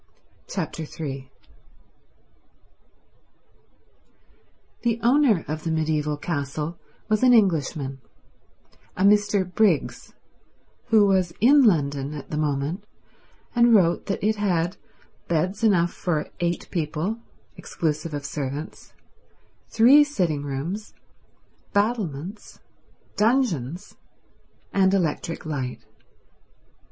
Chapter 3 The owner of the mediaeval castle was an Englishman, a Mr. Briggs, who was in London at the moment and wrote that it had beds enough for eight people, exclusive of servants, three sitting rooms, battlements, dungeons, and electric light.